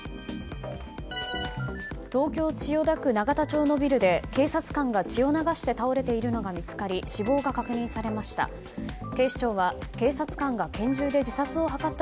東京・千代田区永田町のビルで警察官が血を流して倒れているのが見つかり死亡が確認されました。